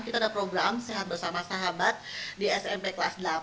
kita ada program sehat bersama sahabat di smp kelas delapan